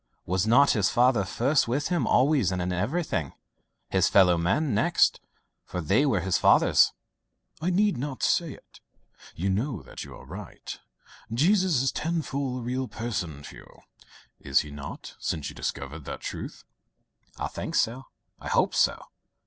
Was not his Father first with him always and in everything his fellow men next for they were his Father's?" "I need not say it you know that you are right. Jesus is tenfold a real person to you is he not since you discovered that truth?" "I think so; I hope so.